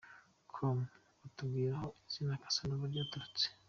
com : Watubwira aho izina « Cassanova » ryaturutse ?.